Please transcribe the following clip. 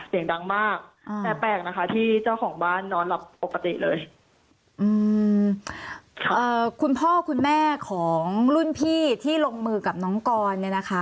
เสียงดังมากแต่แปลกนะคะที่เจ้าของบ้านนอนหลับปกติเลยอืมเอ่อคุณพ่อคุณแม่ของรุ่นพี่ที่ลงมือกับน้องกรเนี่ยนะคะ